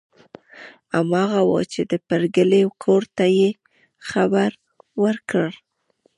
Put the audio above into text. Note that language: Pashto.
هماغه وه چې د پريګلې کور ته یې خبر ورکړ